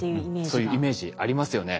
そういうイメージありますよね。